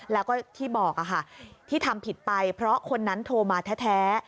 แล้วก็ที่บอกค่ะที่ทำผิดไปเพราะคนนั้นโทรมาแท้